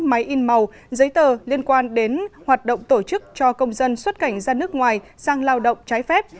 máy in màu giấy tờ liên quan đến hoạt động tổ chức cho công dân xuất cảnh ra nước ngoài sang lao động trái phép